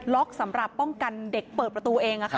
ล็อกสำหรับป้องกันเด็กเปิดประตูเองอะค่ะ